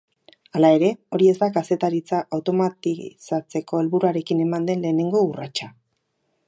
Hala ere, hori ez da kazetaritza automatizatzeko helburuarekin eman den lehenengo urratsa.